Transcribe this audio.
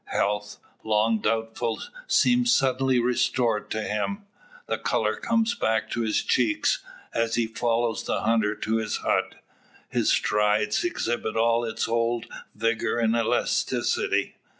Health, long doubtful, seems suddenly restored to him. The colour comes back to his cheeks; and, as he follows the hunter to his hut, his stride exhibits all its old vigour and elasticity.